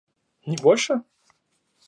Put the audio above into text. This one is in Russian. Не больше?